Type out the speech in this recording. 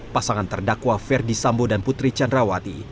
pasangan terdakwa ferdi sambo dan putri candrawati